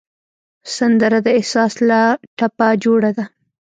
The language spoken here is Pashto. سندره د احساس له ټپه جوړه ده